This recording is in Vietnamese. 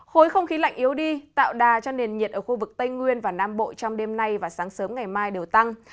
khối không khí lạnh yếu đi tạo đà cho nền nhiệt ở khu vực tây nguyên và nam bộ trong đêm nay và sáng sớm ngày mai đều tăng